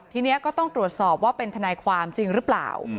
ทีนี้ก็ต้องตรวจสอบว่าเป็นทนายความจริงหรือเปล่า